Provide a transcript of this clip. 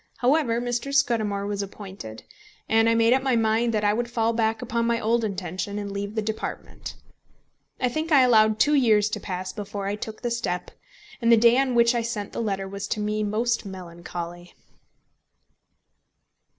However, Mr. Scudamore was appointed; and I made up my mind that I would fall back upon my old intention, and leave the department. I think I allowed two years to pass before I took the step; and the day on which I sent the letter was to me most melancholy.